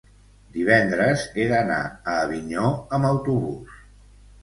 divendres he d'anar a Avinyó amb autobús.